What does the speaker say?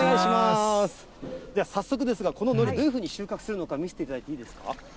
では早速ですが、こののり、どういうふうに収穫するのか、見せていただいていいですか。